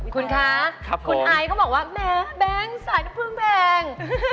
คุณคะคุณไอ้เขาบอกว่าแบงค์สายน้ำผึ้นแพง